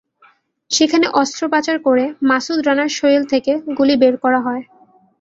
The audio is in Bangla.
সেখানে অস্ত্রোপচার করে মাসুদ রানার শরীর থেকে গুলি বের করা হয়।